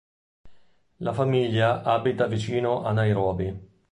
La famiglia abita vicino a Nairobi.